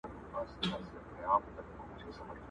چي يقين يې د خپل ځان پر حماقت سو!.